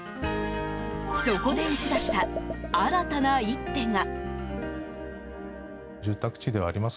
そこで打ち出した新たな一手が。